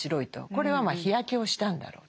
これはまあ日焼けをしたんだろうと。